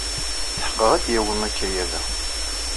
Tḥeqqeɣ ad d-yawey akayad-a.